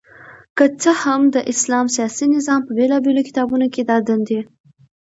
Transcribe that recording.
که څه هم د اسلام سياسي نظام په بيلابېلو کتابونو کي دا دندي